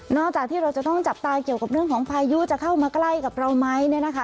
จากที่เราจะต้องจับตาเกี่ยวกับเรื่องของพายุจะเข้ามาใกล้กับเราไหมเนี่ยนะคะ